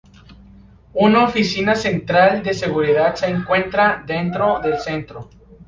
Una Oficina Central de Seguridad se encuentra dentro del centro.